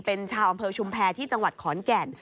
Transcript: เป็นชาวอำเภอชุมแพรนิดและจังหวัดของขอนแก่